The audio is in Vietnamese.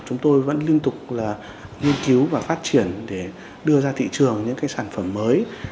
chúng tôi vẫn liên tục là nghiên cứu và phát triển để đưa ra thị trường những sản phẩm mới